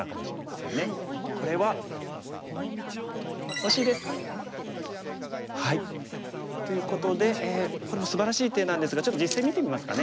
これは。ということでこれもすばらしい手なんですがちょっと実戦見てみますかね。